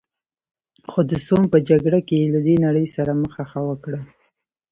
خو د سوم په جګړه کې یې له دې نړۍ سره مخه ښه وکړه.